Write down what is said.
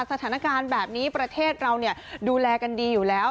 สถานการณ์แบบนี้ประเทศเราดูแลกันดีอยู่แล้ว